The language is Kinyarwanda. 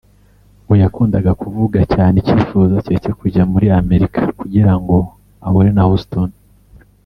ngo yakundaga kuvuga cyane icyifuzo cye cyo kuzajya muri Amerika kugira ngo ahure na Houston